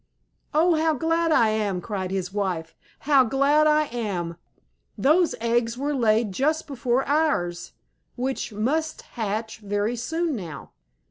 "Oh, how glad I am!" cried his wife. "How glad I am! Those eggs were laid just before ours, which must hatch very soon now."